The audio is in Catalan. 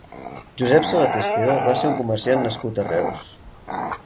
Josep Sabater Esteve va ser un comerciant nascut a Reus.